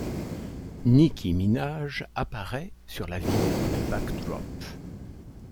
Nicki Minaj apparaît sur la vidéo de backdrop.